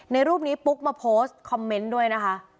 รูปนี้ปุ๊กมาโพสต์คอมเมนต์ด้วยนะคะ